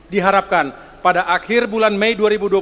diharapkan pada akhir bulan mei dua ribu dua puluh satu